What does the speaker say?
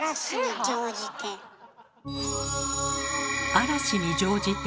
⁉嵐に乗じて。